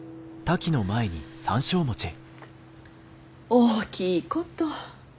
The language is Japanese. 大きいこと。